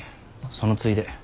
そのついで。